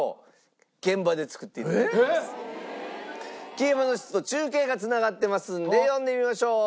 消え物室と中継が繋がってますんで呼んでみましょう。